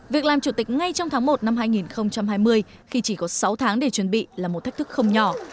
việc làm chủ tịch ngay trong tháng một năm hai nghìn hai mươi khi chỉ có sáu tháng để chuẩn bị là một thách thức không nhỏ